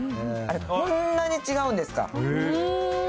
あれ、こんなに違うんですか。